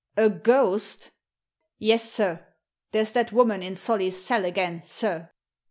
"A ghost?" " Yes, sir — there's that woman in Solly's cell again, sir."